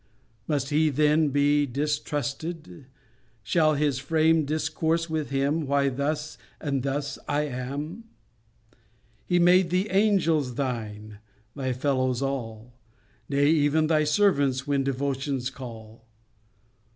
Must He then be distrusted? Shall His frame Discourse with Him why thus and thus I am? He made the Angels thine, thy fellows all; Nay even thy servants, when devotions call.